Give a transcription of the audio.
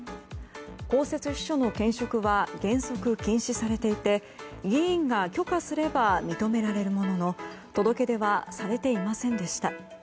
公設秘書の兼職は原則禁止されていて議員が許可すれば認められるものの届け出はされていませんでした。